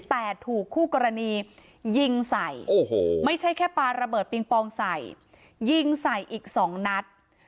แต่ถูกคู่กรณียิงใส่ไม่ใช่แค่ปลาระเบิดปิงปองใส่ยิงใส่อีก๒นัด